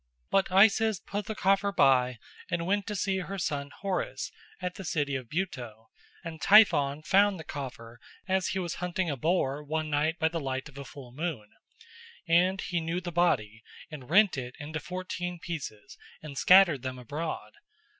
But Isis put the coffer by and went to see her son Horus at the city of Buto, and Typhon found the coffer as he was hunting a boar one night by the light of a full moon. And he knew the body, and rent it into fourteen pieces, and scattered them abroad.